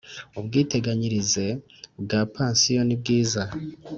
Ubwiteganyirize bwa pansiyo nibwiza